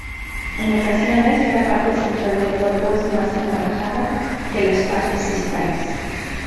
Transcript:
En ocasiones, la parte central del cuerpo es más anaranjada que las partes distales.